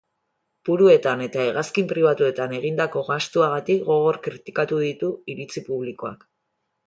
Puruetan eta hegazkin pribatuetan egindako gastuagatik gogor kritikatu ditu iritzi publikoak.